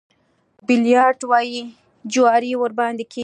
دې ته بيليارډ وايي جواري ورباندې کېږي.